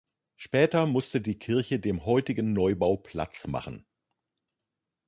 Später musste die Kirche dem heutigen Neubau Platz machen.